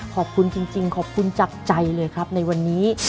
ขอบคุณจริงขอบคุณจากใจเลยครับในวันนี้